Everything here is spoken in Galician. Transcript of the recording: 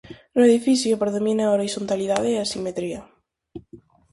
No edificio predomina a horizontalidade e a simetría.